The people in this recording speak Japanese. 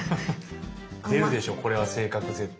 出るでしょこれは性格絶対。